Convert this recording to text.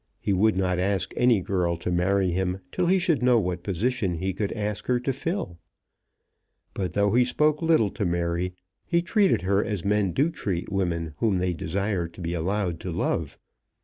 He would not ask any girl to marry him till he should know what position he could ask her to fill. But though he spoke little to Mary, he treated her as men do treat women whom they desire to be allowed to love.